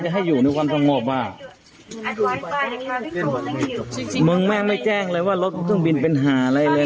ให้อยู่ในความสงบว่ามึงแม่ไม่แจ้งเลยว่ารถเครื่องบินเป็นหาอะไรเลย